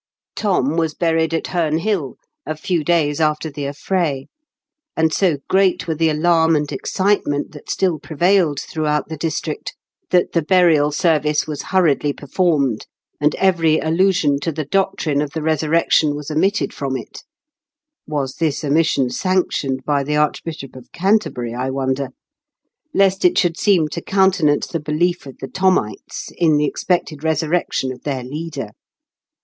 Thorn was buried at Heme Hill, a few 152 IN KENT WITH CHABLE8 DICKENS. days after the affray ; and so great were the alarm and excitement that still prevailed throughout the district that the burial service was hurriedly performed, and every allusion to the doctrine of the resurrection was omitted from it (was this omission sanctioned by the Archbishop of Canterbury, I wonder ?), lest it should seem to countenance the belief of the Thomites in the expected resurrection of their leader.